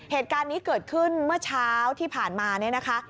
เหตุการณ์นี้เกิดขึ้นเมื่อเช้าที่ผ่านมาเนี่ยนะคะ